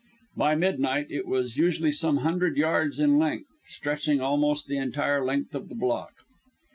By midnight it was usually some hundred yards in length, stretching almost the entire length of the block.